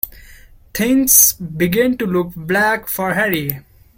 Things began to look black for Harry.